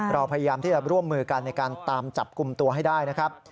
เราพยายามที่จะร่วมมือกันในการตามจับกลุ่มตัวให้ได้นะครับ